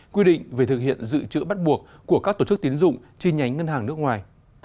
quy định về thực hiện dự trữ bắt buộc của các tổ chức tiến dụng chi nhánh ngân hàng nước ngoài